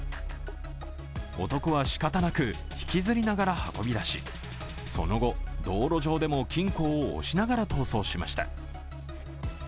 男は、しかたなく引きずりながら運び出し、その後、道路上でも金庫を押しながら逃走しました。